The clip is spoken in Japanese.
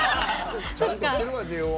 ちゃんとしてるわ、ＪＯ１。